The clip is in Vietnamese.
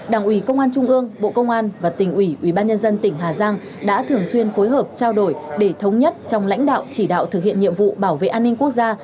đảng ủy công an trung ương bộ công an và tỉnh ủy ubnd tỉnh hà giang đã thường xuyên phối hợp trao đổi để thống nhất trong lãnh đạo chỉ đạo thực hiện nhiệm vụ bảo vệ an ninh quốc gia